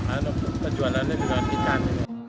ano perjualannya juga ikan